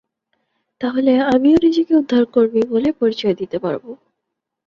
তাহলে আমিও নিজেকে উদ্ধারকর্মী বলে পরিচয় দিতে পারবো।